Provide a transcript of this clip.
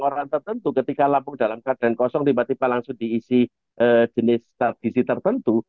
orang tertentu ketika lampung dalam keadaan kosong tiba tiba langsung diisi jenis gizi tertentu